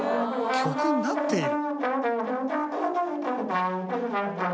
「曲になってる」